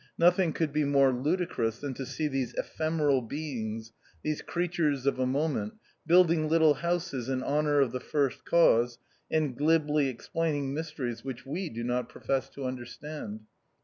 Nothing could be more ludicrous than to see these ephemeral beings, these creatures of a moment, build ing little houses in honour of the First Cause, and glibly explaining mysteries which we do not profess to understand.